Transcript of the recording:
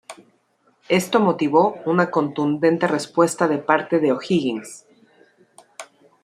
Esto motivó una contundente respuesta de parte de O'Higgins.